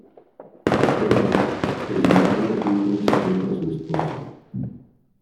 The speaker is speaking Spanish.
Pero, Esmeralda oculta un secreto a su esposo.